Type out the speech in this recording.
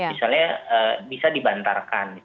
misalnya bisa dibantarkan